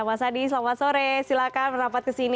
mas adi selamat sore silahkan berdapat ke sini